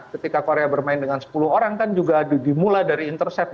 ketika korea bermain dengan sepuluh orang kan juga dimulai dari intercept